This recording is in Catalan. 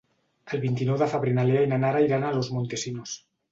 El vint-i-nou de febrer na Lea i na Nara iran a Los Montesinos.